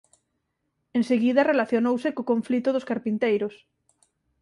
Enseguida relacionouse co conflito dos carpinteiros.